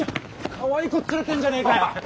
かわいい子連れてんじゃねえかよ。